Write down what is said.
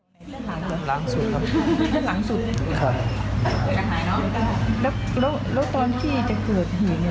หลังสุดครับหลังสุดครับแล้วแล้วตอนที่จะเกิดเหยียงเนี้ย